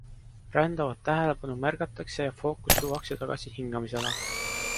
Rändavat tähelepanu märgatakse ja fookus tuuakse tagasi hingamisele.